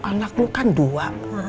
anak lu kan dua